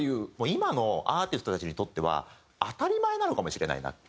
今のアーティストたちにとっては当たり前なのかもしれないな。